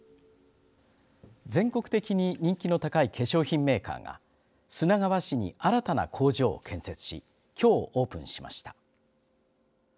全国的に人気の高い化粧品メーカーが砂川市に新たな工場を建設しきょうオープンしました。